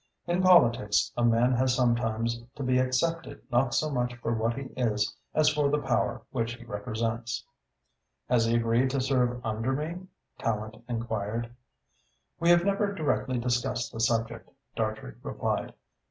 In politics a man has sometimes to be accepted not so much for what he is as for the power which he represents." "Has he agreed to serve under me?" Tallente inquired. "We have never directly discussed the subject," Dartrey replied.